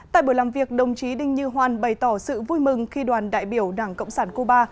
tại buổi làm việc đồng chí đinh như hoan bày tỏ sự vui mừng khi đoàn đại biểu đảng cộng sản cuba